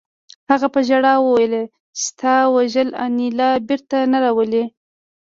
هغه په ژړا وویل چې ستا وژل انیلا بېرته نه راولي